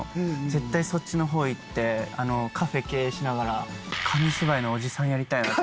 絶対そっちの方行ってカフェ経営しながら紙芝居のおじさんやりたいな。